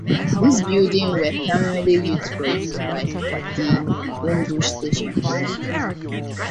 These building were primarily used for use by the Homebush Station.